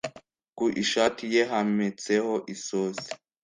Ku ishati ye hametseho isosi.